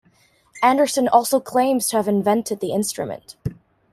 Anderson also claims to have invented the instrument.